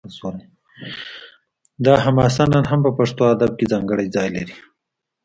دا حماسه نن هم په پښتو ادب کې ځانګړی ځای لري